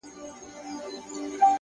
اخلاق د انسان تلپاتې ښکلا ده.!